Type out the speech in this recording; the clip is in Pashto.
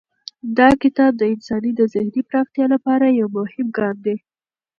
دا کتاب د انسان د ذهني پراختیا لپاره یو مهم ګام دی.